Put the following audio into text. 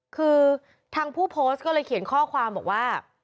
คือทางผู้โพสต์ก็เลยเขียนข้อความบอกว่า